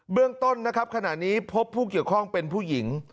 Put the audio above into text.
เรื่องต้นนะครับขณะนี้พบผู้เกี่ยวข้องเป็นผู้หญิง